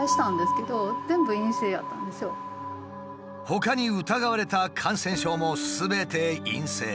ほかに疑われた感染症もすべて陰性。